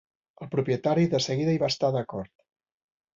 El propietari de seguida hi va estar d'acord.